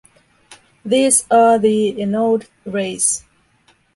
These are the anode rays.